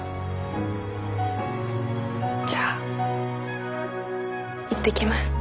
じゃあ行ってきます。